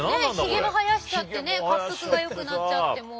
ヒゲも生やしちゃってねかっぷくがよくなっちゃってもう。